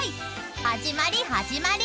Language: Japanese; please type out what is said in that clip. ［始まり始まり］